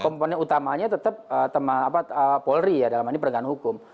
komponen utamanya tetap teman apa polri ya dalam hal ini pergantungan hukum